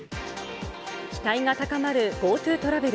期待が高まるＧｏＴｏトラベル。